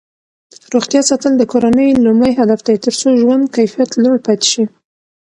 روغتیا ساتل د کورنۍ لومړنی هدف دی ترڅو ژوند کیفیت لوړ پاتې شي.